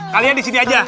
kalian di sini aja